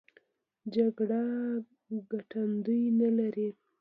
جګړه ګټندوی نه لري.